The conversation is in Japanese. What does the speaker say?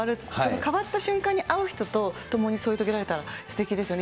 変わった瞬間に会う人と共に添い遂げられたらすてきですよね。